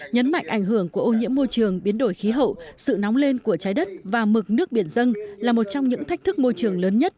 nhấn mạnh ảnh hưởng của ô nhiễm môi trường biến đổi khí hậu sự nóng lên của trái đất và mực nước biển dân là một trong những thách thức môi trường lớn nhất